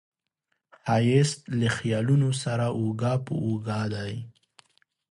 ښایست له خیالونو سره اوږه په اوږه دی